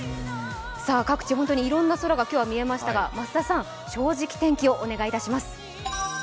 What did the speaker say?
各地、本当にいろんな空が今日は見えましたが増田さん、「正直天気」をお願いいたします。